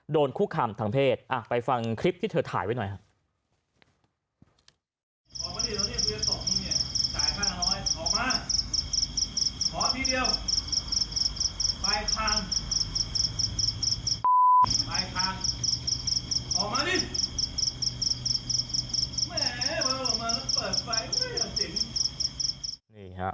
คุกคำทางเพศไปฟังคลิปที่เธอถ่ายไว้หน่อยครับ